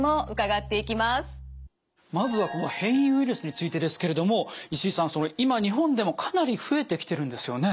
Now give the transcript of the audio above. まずはこの変異ウイルスについてですけれども石井さん今日本でもかなり増えてきてるんですよね。